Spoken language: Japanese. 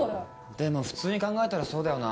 でも普通に考えたらそうだよな。